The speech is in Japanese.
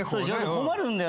困るんだよ。